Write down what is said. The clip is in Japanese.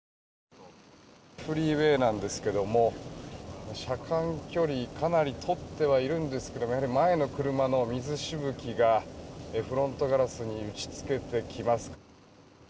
フリーウェーなんですが車間距離をかなりとっているんですが前の車の水しぶきがフロントガラスに打ち付けてきます。